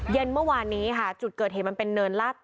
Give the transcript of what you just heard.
เย็นเมื่อวานนี้จุดเกิดเห็น